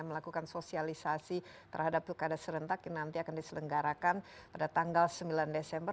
melakukan sosialisasi terhadap pilkada serentak yang nanti akan diselenggarakan pada tanggal sembilan desember